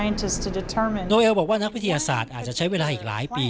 โดยเอลบอกว่านักวิทยาศาสตร์อาจจะใช้เวลาอีกหลายปี